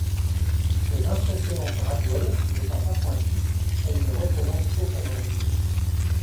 Ses impressionnantes radioles n'étant pas pointues, elle ne représente aucun danger.